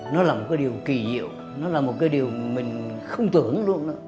nó là một điều kỳ diệu nó là một điều mình không tưởng luôn